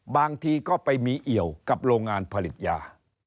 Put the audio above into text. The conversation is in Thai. บางทีก็ไปมีเอี่ยวกับโรงงานผลิตยา